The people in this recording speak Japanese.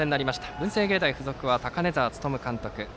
文星芸大付属は高根澤力監督です。